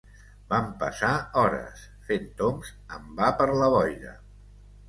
Vam passar hores fent tombs en va per la boira